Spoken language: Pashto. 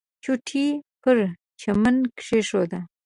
چوټې یې پر چمن کېښودې.